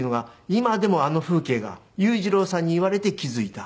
今でもあの風景が裕次郎さんに言われて気付いた。